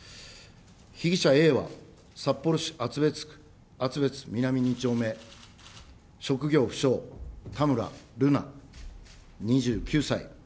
被疑者Ａは、札幌市厚別区厚別南２丁目、職業不詳、田村瑠奈２９歳。